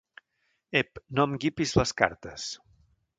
Ep, no em guipis les cartes!